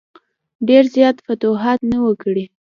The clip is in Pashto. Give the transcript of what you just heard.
ډېر زیات فتوحات نه وه کړي.